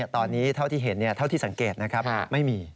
ตอนนี้เท่าที่เห็นเท่าที่สังเกตนะครับไม่มี